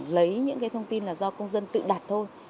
lấy những cái thông tin là do công dân tự đặt thôi